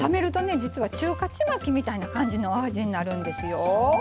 実は中華ちまきみたいな感じのお味になるんですよ。